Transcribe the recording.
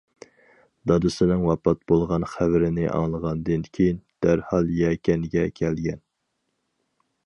دادىسىنىڭ ۋاپات بولغان خەۋىرىنى ئاڭلىغاندىن كېيىن دەرھال يەكەنگە كەلگەن.